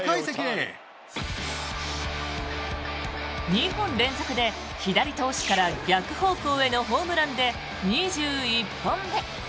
２本連続で、左投手から逆方向へのホームランで２１本目。